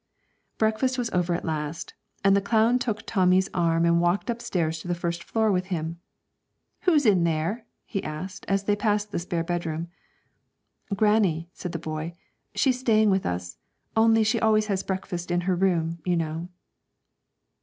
Breakfast was over at last, and the clown took Tommy's arm and walked upstairs to the first floor with him. 'Who's in there?' he asked, as they passed the spare bedroom. 'Granny,' said the boy; 'she's staying with us; only she always has breakfast in her room, you know.'